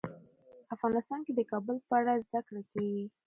افغانستان کې د کابل په اړه زده کړه کېږي.